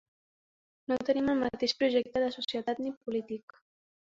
No tenim el mateix projecte de societat, ni polític.